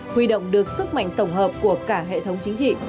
huy động được sức mạnh tổng hợp của cả hệ thống chính trị